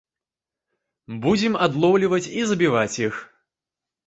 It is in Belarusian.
Будзем адлоўліваць і забіваць іх.